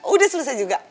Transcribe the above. udah selesai juga